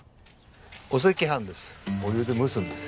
お赤飯です。